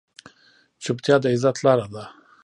چپتیا، د عزت لاره ده.